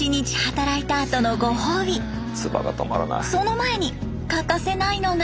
その前に欠かせないのが。